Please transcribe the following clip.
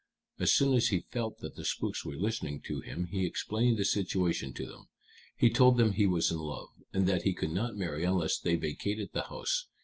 As soon as he felt that the spooks were listening to him he explained the situation to them. He told them he was in love, and that he could not marry unless they vacated the house.